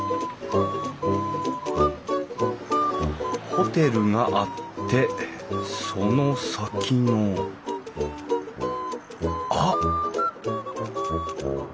ホテルがあってその先のあっ！